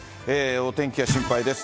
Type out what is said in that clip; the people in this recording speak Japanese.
お天気が心配です。